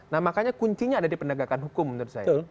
nah makanya kuncinya ada di penegakan hukum menurut saya